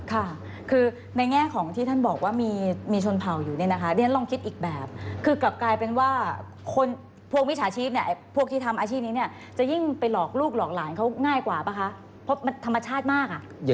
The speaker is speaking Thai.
ค่ะคือในแง่ของที่ท่านบอกว่ามีชนเผ่าอยู่เนี่ยนะคะเรียนลองคิดอีกแบบคือกลับกลายเป็นว่าคนพวกมิจฉาชีพเนี่ยพวกที่ทำอาชีพนี้เนี่ยจะยิ่งไปหลอกลูกหลอกหลานเขาง่ายกว่าป่ะคะเพราะมันธรรมชาติมากอ่ะ